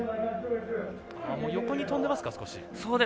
横に飛んでますか、少し。